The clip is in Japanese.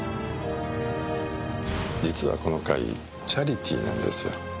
実はこの会チャリティーなんですよ。